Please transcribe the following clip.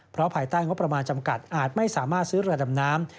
เพราะภายใต้งบประมาณจำกัดอาจไม่สามารถซื้อเรือดำน้ำ